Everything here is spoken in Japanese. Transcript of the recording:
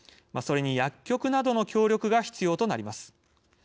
それに薬局などの協力が必要となります。